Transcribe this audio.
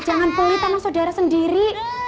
jangan pulih sama saudara sendiri